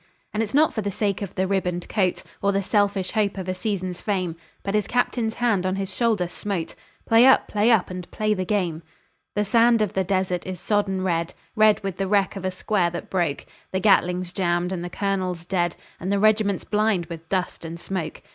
And it's not for the sake of a ribboned coat, Or the selfish hope of a season's fame, But his Captain's hand on his shoulder smote "Play up! play up! and play the game!" The sand of the desert is sodden red, Red with the wreck of a square that broke; The Gatling's jammed and the colonel dead, And the regiment blind with dust and smoke.